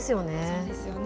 そうですよね。